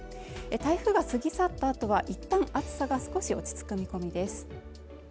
台風が過ぎ去ったあとはいったん暑さが少し落ち着く見込みです